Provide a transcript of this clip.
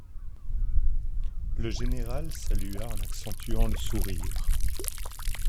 Le général salua en accentuant le sourire.